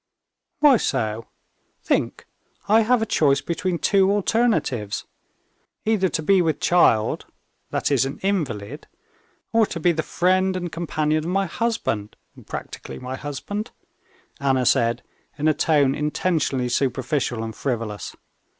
"Why so? Think, I have a choice between two alternatives: either to be with child, that is an invalid, or to be the friend and companion of my husband—practically my husband," Anna said in a tone intentionally superficial and frivolous.